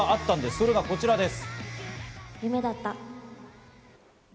それがこちらです。